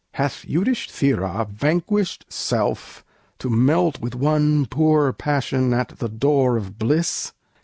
Hath Yudhisthira vanquished self, to melt With one poor passion at the door of bliss?